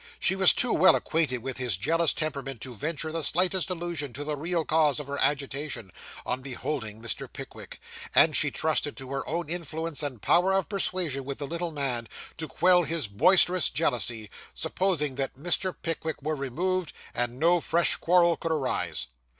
She was too well acquainted with his jealous temperament to venture the slightest allusion to the real cause of her agitation on beholding Mr. Pickwick; and she trusted to her own influence and power of persuasion with the little man, to quell his boisterous jealousy, supposing that Mr. Pickwick were removed, and no fresh quarrel could arise.